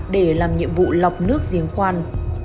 để làm nhiệm vụ lọc nước riêng khoan